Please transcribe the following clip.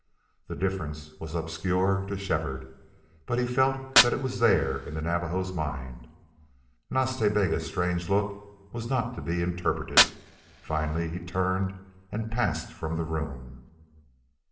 The difference was obscure to Shefford. But he felt that it was there in the Navajo's mind. Nas Ta Bega's strange look was not to be interpreted. Presently he turned and passed from the room.